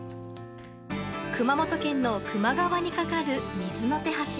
熊本県の球磨川にかかる水の手橋。